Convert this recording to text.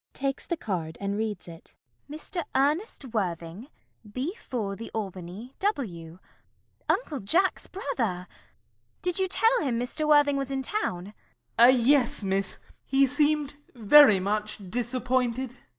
[Takes the card and reads it.] 'Mr. Ernest Worthing, B. 4, The Albany, W.' Uncle Jack's brother! Did you tell him Mr. Worthing was in town? MERRIMAN. Yes, Miss. He seemed very much disappointed.